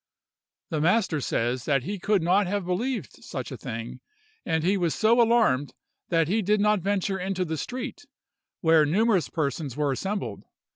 The master says that he could not have believed such a thing; and he was so alarmed that he did not venture into the street, where numerous persons were assembled.